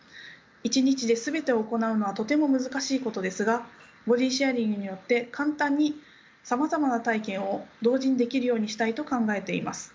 １日で全てを行うのはとても難しいことですがボディシェアリングによって簡単にさまざまな体験を同時にできるようにしたいと考えています。